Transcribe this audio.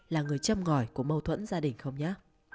là người chăm ngỏi của mâu thuẫn gia đình không nhé